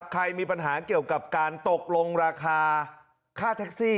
ใครมีปัญหาเกี่ยวกับการตกลงราคาค่าแท็กซี่